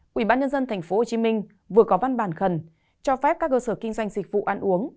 quỹ bán nhân dân tp hcm vừa có văn bản khẩn cho phép các cơ sở kinh doanh dịch vụ ăn uống